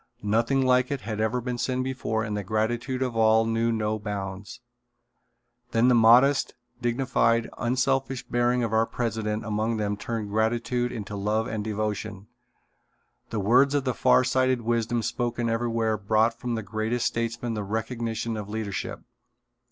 Nothing like it had ever been seen before and the gratitude of all knew no bounds. Then the modest, dignified, unselfish bearing of our president among them turned gratitude into love and devotion. The words of far sighted wisdom spoken everywhere brought from the greatest statesmen the recognition of leadership.